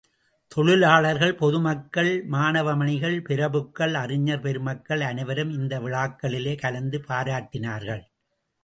தொழிலாளர்கள், பொதுமக்கள், மாணவமணிகள், பிரபுக்கள், அறிஞர் பெருமக்கள் அனைவரும் இந்த விழாக்களிலே கலந்து பாராட்டினார்கள்.